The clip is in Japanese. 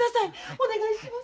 お願いします。